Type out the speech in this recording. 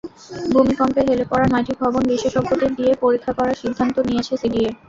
ভূমিকম্পে হেলে পড়া নয়টি ভবন বিশেষজ্ঞদের দিয়ে পরীক্ষা করার সিদ্ধান্ত নিয়েছে সিডিএ।